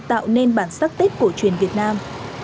tạo nên bản sắc tết cổ truyền việt nam